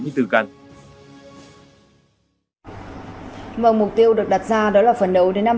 mục tiêu được đặt ra là phần nấu đến năm hai nghìn ba mươi